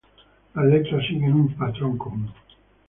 Las letras siguen un patrón común.